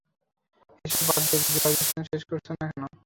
এসব বাদ দিয়ে গ্রাজুয়েশন শেষ করছ না কেন?